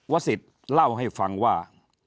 สิทธิ์เล่าให้ฟังว่า